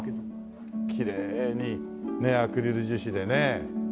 きれいにねアクリル樹脂でね。